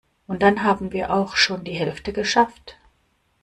Und dann haben wir auch schon die Hälfte geschafft.